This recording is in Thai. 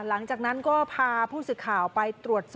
หลังจากนั้นก็พาผู้สื่อข่าวไปตรวจสอบ